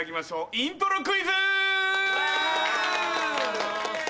イントロクイズ！わい！